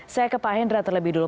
saya ke pak hendra terlebih dulu